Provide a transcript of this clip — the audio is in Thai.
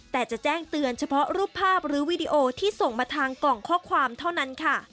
แต่จะแจ้งเตือนเฉพาะรูปภาพหรือวีดีโอที่ส่งมาทางกล่องข้อความเท่านั้นค่ะ